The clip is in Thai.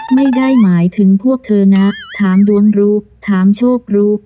ไม่ได้หมายถึงพวกเธอนะถามดวงรู้ถามโชครู้